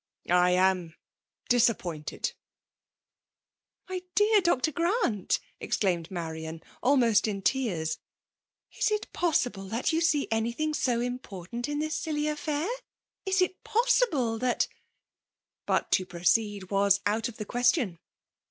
I am disappointed! *"'' My dear Dr. Orant !*' exclaimed MafiaD» almost in tears, '' is it possible that you see any ibkag bo impoTtaat in tibis siUy Affair? IbH possible that —^> But to proceed was out of the question.